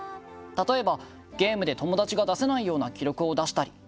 例えば、ゲームで友達が出せないような記録を出したり。